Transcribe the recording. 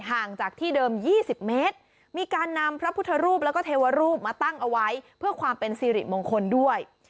ห่างจากที่เดิม๒๐เมตรมีการนำพระพุทธรูปแล้วก็เทวรูปมาตั้งเอาไว้เพื่อความเป็นสิริมงคลด้วย